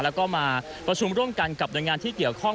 แล้วก็มาประชุมร่วมกันกับหน่วยงานที่เกี่ยวข้อง